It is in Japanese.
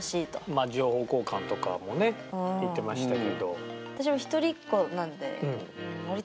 まあ情報交換とかもね言ってましたけど。